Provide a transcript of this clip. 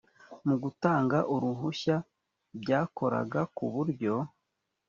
mu gutanga uruhushya byakoraga ku buryo